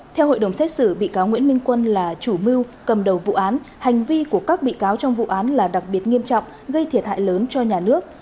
theo hội đồng xét xử bị cáo nguyễn minh quân là chủ mưu cầm đầu vụ án hành vi của các bị cáo trong vụ án là đặc biệt nghiêm trọng gây thiệt hại lớn cho nhà nước